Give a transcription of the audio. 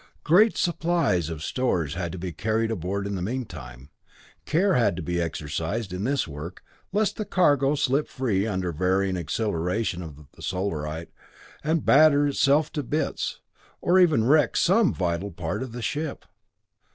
Great supplies of stores had to be carried aboard in the meantime. Care had to be exercised in this work, lest the cargo slip free under varying acceleration of the Solarite, and batter itself to bits, or even wreck some vital part of the ship.